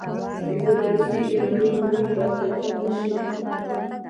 د فردوسي ایرانی غرور دا حقیقت نه شي منلای.